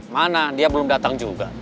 mana dia belum datang juga